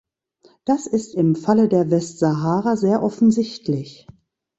Das ist im Falle der Westsahara sehr offensichtlich.